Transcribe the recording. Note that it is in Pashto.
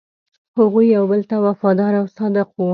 هغوی یو بل ته وفادار او صادق وو.